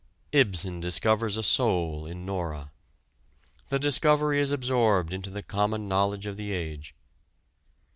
Ibsen discovers a soul in Nora: the discovery is absorbed into the common knowledge of the age.